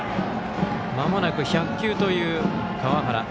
まもなく１００球という川原。